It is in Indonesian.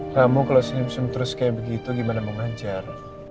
kamu kalau senyum sen terus kayak begitu gimana mau ngajar